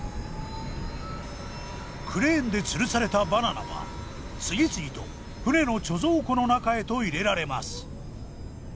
クレーンでつるされたバナナは次々と船の貯蔵庫の中へと入れられます。